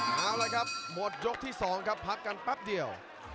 เอาละครับหมดยกที่๒ครับพักกันแป๊บเดียว